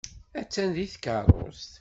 Attan deg tkeṛṛust.